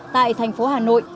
tại thành phố hà nội